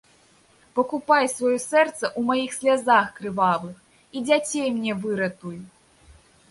Пакупай сваё сэрца ў маіх слязах крывавых і дзяцей мне выратуй!